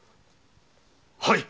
はい！